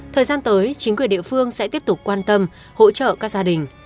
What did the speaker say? thời gian tới chính quyền địa phương sẽ tiếp tục quan tâm hỗ trợ các gia đình